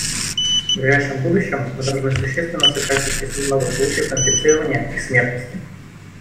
В ближайшем будущем мы должны существенно сократить число новых случаев инфицирования и смертности.